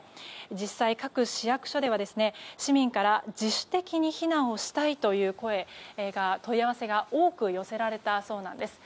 実際、各市役所では市民から自主的に避難をしたいという問い合わせが多く寄せられたそうなんです。